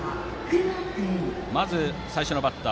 まず最初のバッター